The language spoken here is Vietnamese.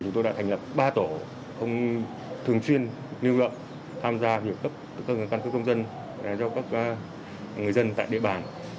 chúng tôi đã thành lập ba tổ thường chuyên nghiêm luận tham gia việc cấp căn cước công dân cho các người dân tại địa bàn